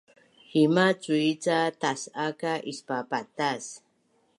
Hima’ cui ca tas’a ka ispapatas